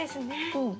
うん。